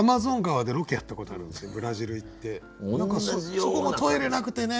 そこもトイレなくてね。